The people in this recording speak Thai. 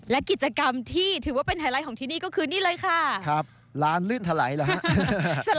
และกิจกรรมที่ถือว่าเป็นไฮไลท์ของที่นี่ก็คือนี่เลยค่ะครับร้านลื่นถลายเหรอฮะ